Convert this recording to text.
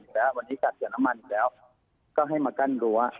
แล้ววันนี้กัดเสียน้ำมันอีกแล้วก็ให้มากั้นรั้ว